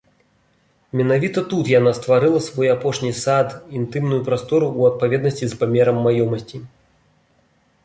Менавіта тут яна стварыла свой апошні сад, інтымную прастору ў адпаведнасці з памерам маёмасці.